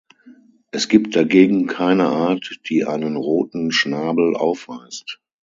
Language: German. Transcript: Es gibt dagegen keine Art, die einen roten Schnabel aufweist.